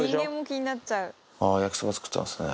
あー、焼きそば作ってますね。